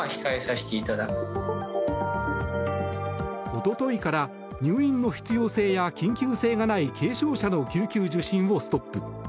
一昨日から、入院の必要性や緊急性がない軽症者の救急受診をストップ。